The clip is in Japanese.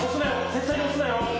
絶対に押すなよ。